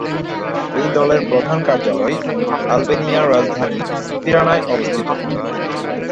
এই দলের প্রধান কার্যালয় আলবেনিয়ার রাজধানী তিরানায় অবস্থিত।